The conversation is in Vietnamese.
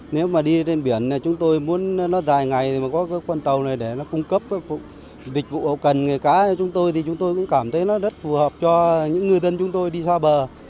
nếu mà đi trên biển chúng tôi muốn nó dài ngày thì mà có cái con tàu này để nó cung cấp dịch vụ hậu cần nghề cá cho chúng tôi thì chúng tôi cũng cảm thấy nó rất phù hợp cho những ngư dân chúng tôi đi xa bờ